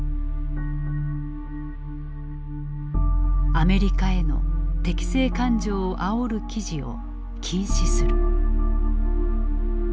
「アメリカへの敵性感情をあおる記事を禁止する」。